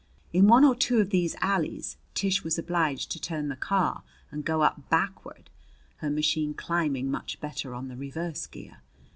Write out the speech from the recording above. In one or two of these alleys Tish was obliged to turn the car and go up backward, her machine climbing much better on the reverse gear.